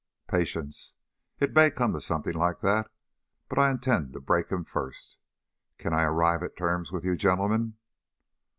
"Patience! It may come to something like that, but I intend to break him first. Can I arrive at terms with you gentlemen?"